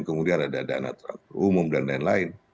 kemudian ada dana terlalu umum dan lain lain